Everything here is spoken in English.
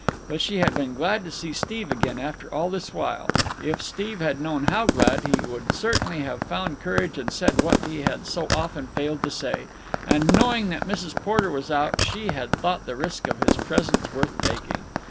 But she had been glad to see Steve again after all this while—if Steve had known how glad, he would certainly have found courage and said what he had so often failed to say—and, knowing that Mrs. Porter was out, she had thought the risk of his presence worth taking.